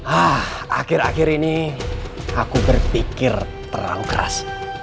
ah akhir akhir ini aku berpikir terlalu keras